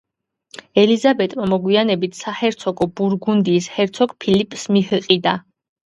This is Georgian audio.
ელიზაბეტმა მოგვიანებით საჰერცოგო ბურგუნდიის ჰერცოგ ფილიპს მიჰყიდა.